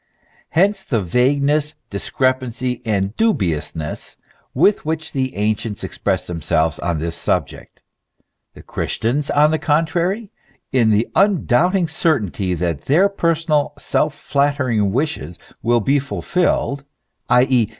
Hence the vagueness, discrepancy, and dubiousness with which the ancients express themselves on this subject. The Christians, on the contrary, in the undoubting certainty that their personal, self flattering wishes will be fulfilled, i.e.